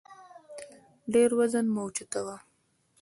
ډېر وزن مه اوچتوه